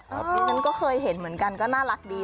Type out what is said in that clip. ดิฉันก็เคยเห็นเหมือนกันก็น่ารักดี